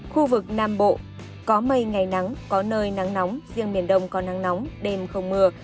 khu vực nam bộ có mây ngày nắng có nơi nắng nóng riêng miền đông có nắng nóng đêm không mưa